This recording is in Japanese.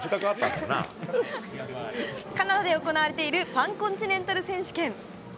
カナダで行われているパンコンチネンタル選手権。